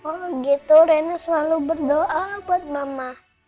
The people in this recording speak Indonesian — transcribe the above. kalau gitu reena selalu berdoa buat mama